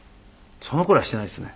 その頃はしていないですね。